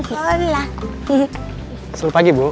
selalu pagi bu